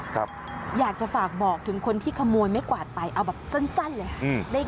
ครับอยากจะฝากบอกถึงคนที่ขโมยไม่กวาดไปเอาแบบสั้นสั้นเลยอืม